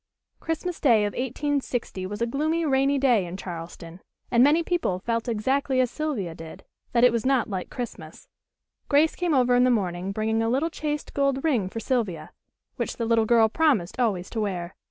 Christmas day of 1860 was a gloomy, rainy day in Charleston, and many people felt exactly as Sylvia did, that it was not like Christmas. Grace came over in the morning bringing a little chased gold ring for Sylvia, which the little girl promised always to wear.